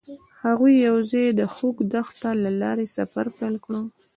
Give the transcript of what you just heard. هغوی یوځای د خوږ دښته له لارې سفر پیل کړ.